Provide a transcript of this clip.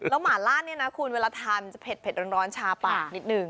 แล้วหมาล่าเนี่ยนะคุณเวลาทานจะเผ็ดร้อนชาปากนิดนึง